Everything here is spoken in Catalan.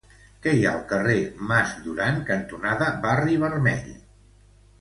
Què hi ha al carrer Mas Duran cantonada Barri Vermell?